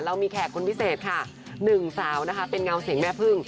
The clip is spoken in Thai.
เรามีแขกคนพิเศษค่ะหนึ่งสาวนะคะเป็นเงาเสียงแม่พึ่ง